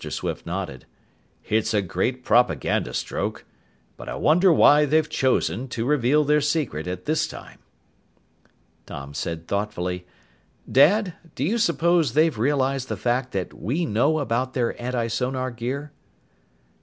Swift nodded. "It's a great propaganda stroke. But I wonder why they've chosen to reveal their secret at this time." Tom said thoughtfully, "Dad, do you suppose they've realized the fact that we know about their antisonar gear?"